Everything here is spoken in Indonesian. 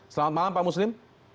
selamat malam pak muslim